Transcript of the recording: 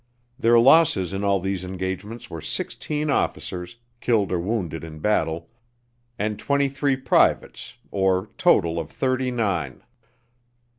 Their losses in all these engagements were sixteen officers, killed or wounded in battle, and twenty three privates, or total of thirty nine.